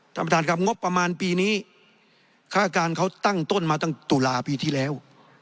ท่านประธานครับงบประมาณปีนี้ค่าการเขาตั้งต้นมาตั้งตุลาปีที่แล้ว